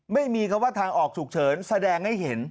ไม่มีคำว่าทางออกฉุกเฉินแสดงให้เห็น